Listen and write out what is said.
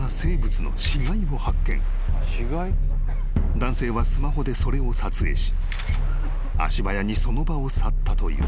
［男性はスマホでそれを撮影し足早にその場を去ったという］